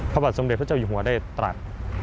พระบาทสมเด็จพระเจ้าอยู่หัวได้ตรัส